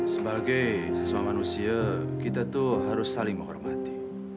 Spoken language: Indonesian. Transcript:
sebagai siswa manusia kita tuh harus saling menghormati